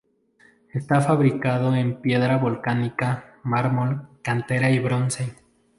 Está fabricado en piedra volcánica, mármol, cantera y bronce.